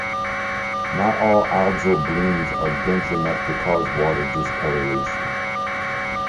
Not all algal blooms are dense enough to cause water discolouration.